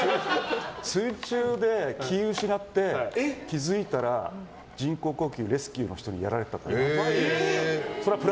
水中で気を失って、気づいたら人工呼吸器、レスキューの人にやられてた。